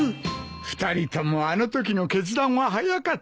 ２人ともあのときの決断は早かった。